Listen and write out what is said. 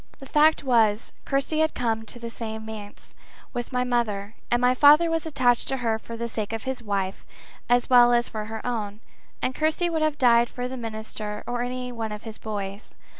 The fact was, Kirsty had come to the manse with my mother, and my father was attached to her for the sake of his wife as well as for her own, and Kirsty would have died for the minister or any one of his boys.